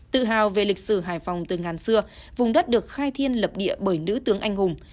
tự hào về lịch sử hải phòng từ ngàn xưa vùng đất được khai thiên lập địa bởi nữ tướng anh hùng